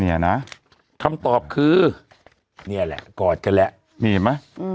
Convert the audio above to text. เนี่ยนะคำตอบคือเนี่ยแหละกอดกันแหละมีเห็นไหมอืม